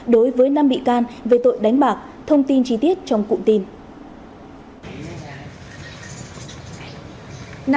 đối với năm bị can về tội đánh bạc thông tin chi tiết trong cụm tin